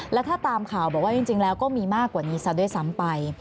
แล้วถ้าตามข่าวบอกว่าจริงแล้วก็มีมากกว่านี้ซะด้วยซ้ำไป